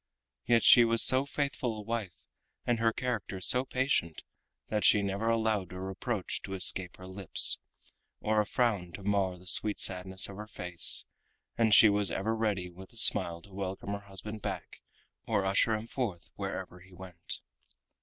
Yet she was so faithful a wife, and her character so patient, that she never allowed a reproach to escape her lips, or a frown to mar the sweet sadness of her face, and she was ever ready with a smile to welcome her husband back or usher him forth wherever he went.